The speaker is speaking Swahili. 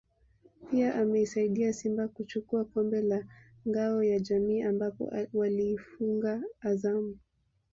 pia ameisaidia Simba kuchukua kombe la Ngao ya Jamii ambapo waliifunga Azam